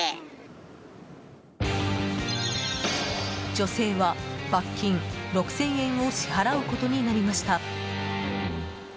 女性は、罰金６０００円を支払うことになりました。